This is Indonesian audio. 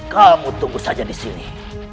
kamu tunggu saja disini